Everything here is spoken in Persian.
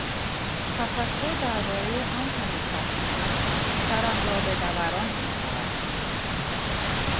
تفکر دربارهی آن همه کهکشان سرم را به دوران میآورد.